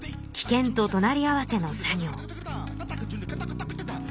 険ととなり合わせの作業。